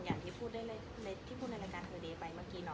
อย่างที่พูดในรายการเฮอเดย์ไปเมื่อกี้เนอะ